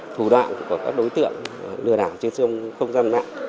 thủ đoạn của các đối tượng lừa đảo trên sông không gian nạn